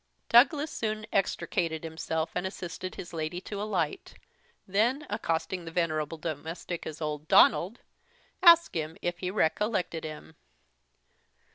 Douglas soon extricated himself, and assisted his lady to alight; then accosting the venerable domestic as "Old Donald," asked him if he recollected him.